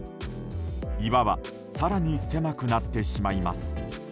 岩は更に狭くなってしまいます。